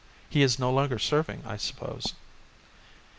"He is no longer serving, I suppose."